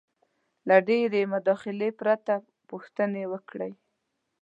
-له ډېرې مداخلې پرته پوښتنې وکړئ: